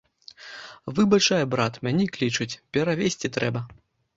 Выбачай, брат, мяне клічуць, перавезці трэба.